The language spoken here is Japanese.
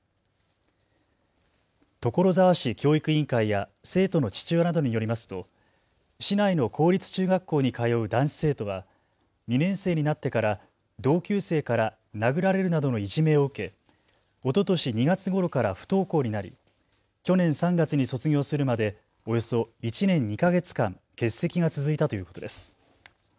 所沢市教育委員会や生徒の父親などによりますと市内の公立中学校に通う男子生徒は２年生になってから同級生から殴られるなどのいじめを受け、おととし２月ごろから不登校になり去年３月に卒業するまでおよそ１年２か月間、欠席が続いたということです。